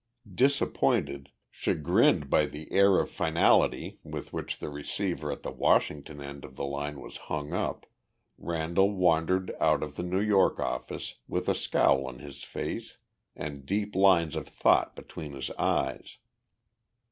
Disappointed, chagrined by the air of finality with which the receiver at the Washington end of the line was hung up, Randall wandered out of the New York office with a scowl on his face and deep lines of thought between his eyes.